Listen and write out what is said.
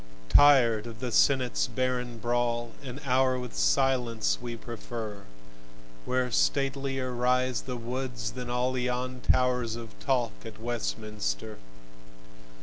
Tired of the Senate's barren brawl, An hour with silence we prefer, Where statelier rise the woods than all Yon towers of talk at Westminster.